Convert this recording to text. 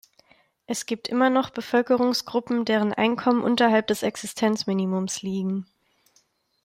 Es gibt immer noch Bevölkerungsgruppen, deren Einkommen unterhalb des Existenzminimums liegen.